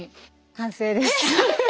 完成です。